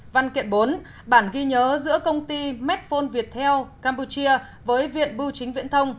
văn kiện bốn bản ghi nhớ giữa công ty medphone viettel campuchia với viện bưu chính viễn thông